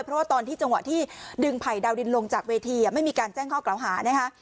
เพราะว่าตอนที่จังหวะที่ดึงไผ่ดาวดินลงจากเวทีไม่มีการแจ้งข้อกล่าวหานะคะ